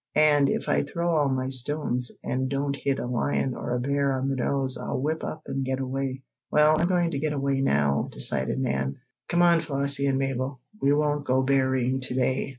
"And if I throw all my stones, and don't hit a lion or a bear on the nose, I'll whip up and get away." "Well, I'm going to get away now," decided Nan. "Come on, Flossie and Mabel. We won't go berrying to day.